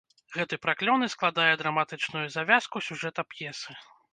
Гэты праклён і складае драматычную завязку сюжэта п'есы.